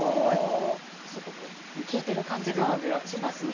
なんかすごく効いてる感じがしますね。